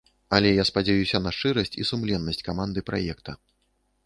Але я спадзяюся на шчырасць і сумленнасць каманды праекта.